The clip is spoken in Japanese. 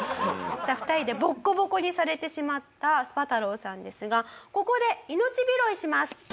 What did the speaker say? さあ２人でボッコボコにされてしまったスパ太郎さんですがここで命拾いします。